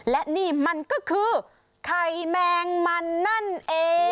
และนี่มันก็คือไข่แมงมันนั่นเอง